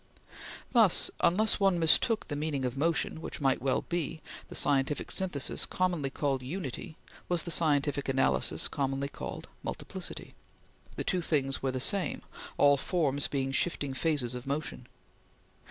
Thus, unless one mistook the meaning of motion, which might well be, the scientific synthesis commonly called Unity was the scientific analysis commonly called Multiplicity. The two things were the same, all forms being shifting phases of motion.